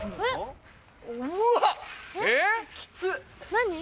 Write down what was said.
・何？